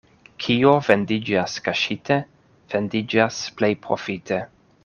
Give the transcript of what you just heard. Kio vendiĝas kaŝite, vendiĝas plej profite.